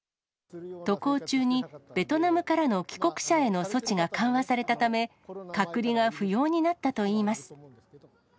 渡航中に、ベトナムからの帰国者への措置が緩和されたため、隔離が不要になったといいます。